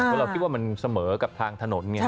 เพราะเราคิดว่ามันเสมอกับทางถนนไง